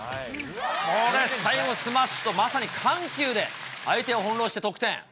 これ、最後、スマッシュとまさに緩急で相手を翻弄して得点。